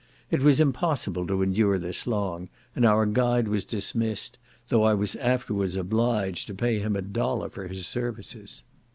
It was impossible to endure this long, and our guide was dismissed, though I was afterwards obliged to pay him a dollar for his services.